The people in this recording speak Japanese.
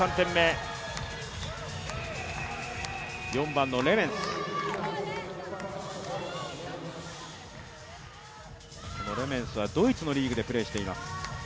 ４番のレメンスはドイツのリーグでプレーしています。